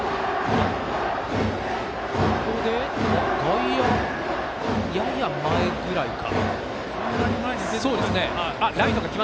ここで外野、やや前ぐらいか。